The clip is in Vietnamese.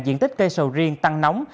diện tích cây sầu riêng tăng nóng